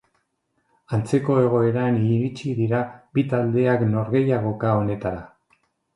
Antzeko egoeran iritsi dira bi taldeak norgehiagoka honetara.